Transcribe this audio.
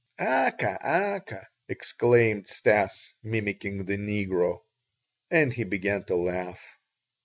"Aka! Aka!" exclaimed Stas, mimicking the negro. And he began to laugh.